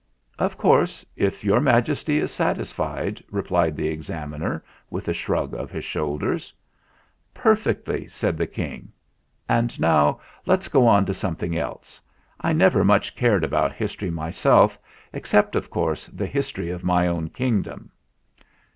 "Of course, if Your Majesty is satisfied " replied the Examiner, with a shrug of his shoulders. "Perfectly," said the King. "And now let's go on to something else. I never much cared 242 THE FLINT HEART about history myself except, of course, the history of my own kingdom."